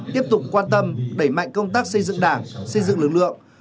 tiếp tục quan tâm đẩy mạnh công tác xây dựng đảng xây dựng lực lượng